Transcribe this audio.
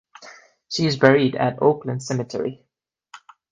She is buried at Oakland Cemetery.